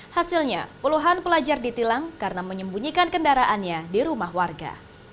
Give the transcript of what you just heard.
hasilnya puluhan pelajar ditilang karena menyembunyikan kendaraannya di rumah warga